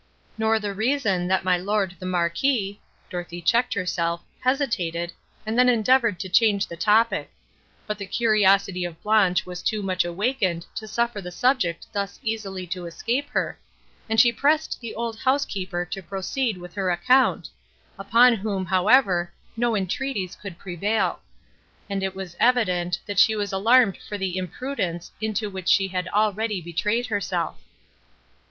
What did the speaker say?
"Nor the reason, that my lord, the Marquis"—Dorothée checked herself, hesitated, and then endeavoured to change the topic; but the curiosity of Blanche was too much awakened to suffer the subject thus easily to escape her, and she pressed the old housekeeper to proceed with her account, upon whom, however, no entreaties could prevail; and it was evident, that she was alarmed for the imprudence, into which she had already betrayed herself.